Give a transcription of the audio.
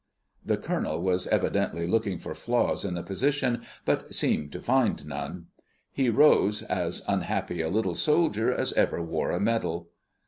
The Colonel was evidently looking for flaws in the position, but seemed to find none. He rose, as unhappy a little soldier as ever wore a medal.